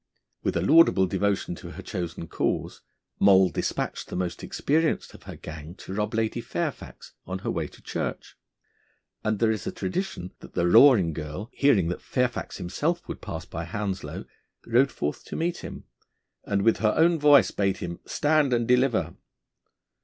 With a laudable devotion to her chosen cause, Moll despatched the most experienced of her gang to rob Lady Fairfax on her way to church; and there is a tradition that the Roaring Girl, hearing that Fairfax himself would pass by Hounslow, rode forth to meet him, and with her own voice bade him stand and deliver.